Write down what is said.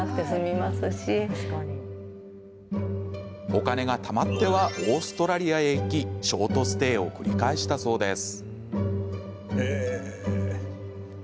お金がたまってはオーストラリアへ行きショートステイを繰り返したそうです。